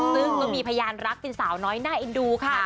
ซึ่งก็มีพยานรักเป็นสาวน้อยน่าเอ็นดูค่ะ